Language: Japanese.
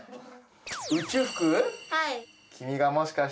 宇宙服？